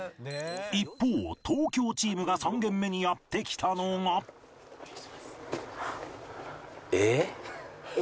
一方東京チームが３軒目にやって来たのがええ？ええ？